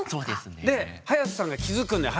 で隼人さんが気付くんだよ。